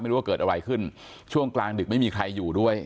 ไม่รู้ว่าเกิดอะไรขึ้นช่วงกลางดึกไม่มีใครอยู่ด้วย